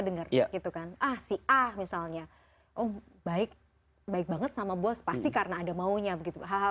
dengar gitu kan ah si a misalnya oh baik baik banget sama bos pasti karena ada maunya begitu hal hal